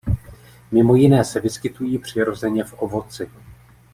Mimo jiné se vyskytují přirozeně v ovoci.